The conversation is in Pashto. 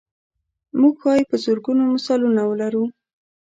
موږ ښایي په زرګونو مثالونه ولرو.